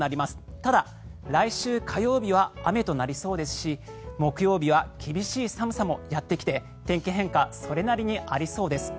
ただ、来週火曜日は雨となりそうですし木曜日は厳しい寒さもやってきて天気変化それなりにありそうです。